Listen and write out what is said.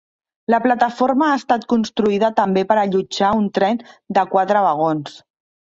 La plataforma ha estat construïda també per allotjar un tren de quatre vagons.